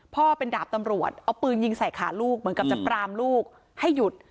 เป็นดาบตำรวจเอาปืนยิงใส่ขาลูกเหมือนกับจะปรามลูกให้หยุด